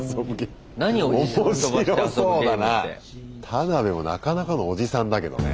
タナベもなかなかのおじさんだけどね。